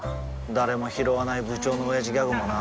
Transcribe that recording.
誰もひろわない部長のオヤジギャグもな